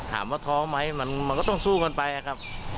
ถามว่าท้องไหมมันก็ต้องสู้กันไปครับ